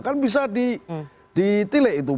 kan bisa ditilai itu